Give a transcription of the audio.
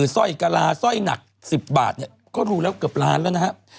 สร้อยกะลาสร้อยหนัก๑๐บาทเนี่ยก็รู้แล้วเกือบล้านแล้วนะครับ